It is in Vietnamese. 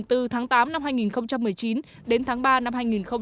từ tháng tám năm hai nghìn một mươi chín đến tháng ba năm hai nghìn hai mươi